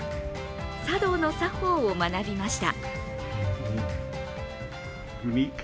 茶道の作法を学びました。